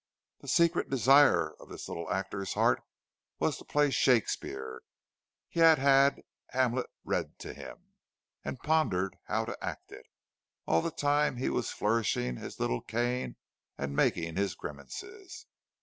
The secret desire of this little actor's heart was to play Shakespeare; he had "Hamlet" read to him, and pondered how to act it—all the time that he was flourishing his little cane and making his grimaces!